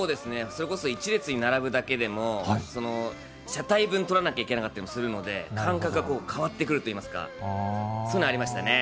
それこそ一列に並ぶだけでも、車体分取らなきゃいけなかったりもするので、間隔がこう、変わってくるといいますか、そういうのありましたね。